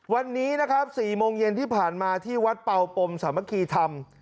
วันนี้นะครับ๔โมงเย็นที่ผ่านมาที่วัดเป่าปมสามัคคีธรรม